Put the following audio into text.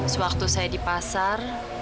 sewaktu saya di pasar